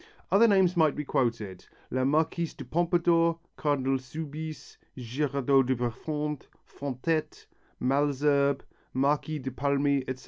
Other names might be quoted, La Marquise de Pompadour, Cardinal Soubise, Girardot de Prefond, Fontette, Malesherbes, Marquis de Paulmy, etc.